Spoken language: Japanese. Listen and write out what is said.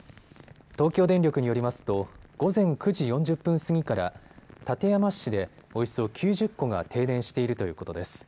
東京電力によりますと午前９時４０分過ぎから館山市でおよそ９０戸が停電しているということです。